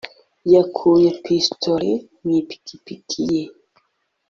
yakuye pistolet mu ipikipiki ye